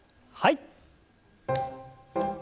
はい。